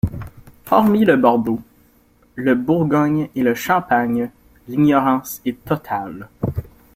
Hormis le bordeaux, le bourgogne et le champagne, l'ignorance est totale.